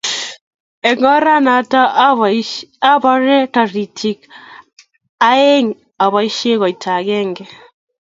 Eng oranoto abare taritik aeng abaishe koita agenge